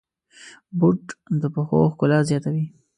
بوټ د پښو ښکلا زیاتوي.